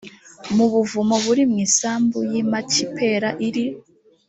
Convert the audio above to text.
mu buvumo buri mu isambu y i makipela iri